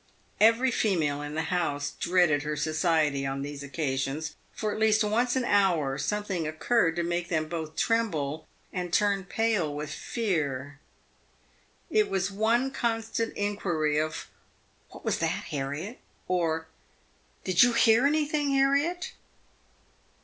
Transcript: Every female in the house dreaded her society on these occasions, for at least once an hour something occurred to make them both tremble and turn pale with fear. It was one constant inquiry of " What was that, Harriet ?" or, " Did you hear anything, Har riet